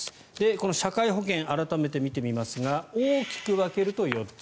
この社会保険改めて見てみますが大きく分けると４つ。